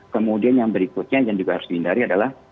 kemudian yang berikutnya yang juga harus dihindari adalah